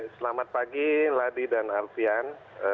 selamat pagi lady dan alfian